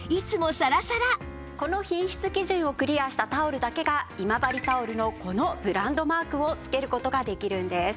この品質基準をクリアしたタオルだけが今治タオルのこのブランドマークをつける事ができるんです。